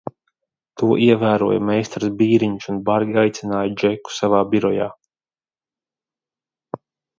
To ievēroja meistars Bīriņš un bargi aicināja Džeku savā birojā.